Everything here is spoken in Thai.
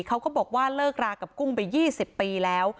เขาก็บอกว่าเลิกรากับกุ้งไป๒๐ปีแล้ว